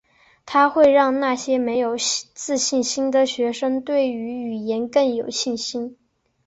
它会让那些没有自信心的学生对于语言更有信心。